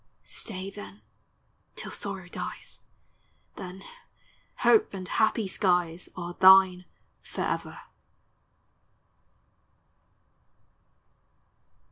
Stay, then, till sorrow dies; Then — hope and happy skies Are thine forever!